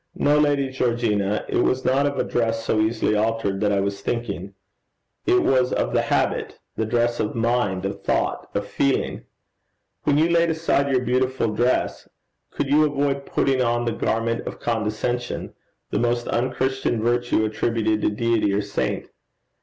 No, Lady Georgina, it was not of a dress so easily altered that I was thinking; it was of the habit, the dress of mind, of thought, of feeling. When you laid aside your beautiful dress, could you avoid putting on the garment of condescension, the most unchristian virtue attributed to Deity or saint?